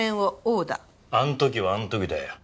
あん時はあん時だよ。